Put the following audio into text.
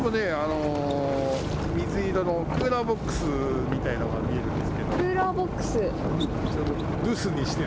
水色のクーラーボックスみたいなものが見えるでしょ。